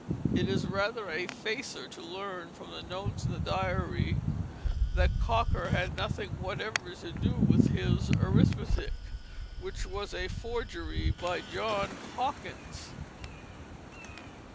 It is rather a facer to learn from the notes in the Diary that Cocker had nothing whatever to do with his Arithmetic, which was a forgery by John Hawkins.